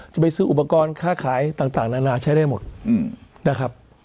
จะไปซื้ออุปกรณ์ค่าขายต่างนานาใช้ได้หมดนะครับ